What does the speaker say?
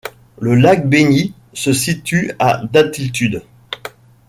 Le lac Bénit se situe à d'altitude.